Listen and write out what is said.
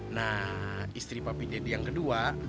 nah istri papi jadi yang kedua